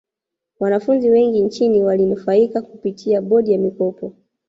wanafunzi wengi nchini walinufaika kupitia bodi ya mikopo